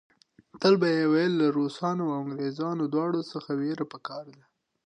تل به یې ویل له روسانو او انګریزانو دواړو څخه وېره په کار ده.